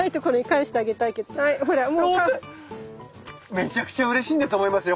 めちゃくちゃうれしいんだと思いますよ